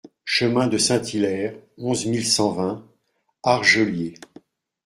Chemin de Saint-- Hillaire, onze mille cent vingt Argeliers